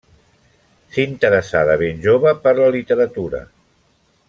S'interessà de ben jove per la literatura.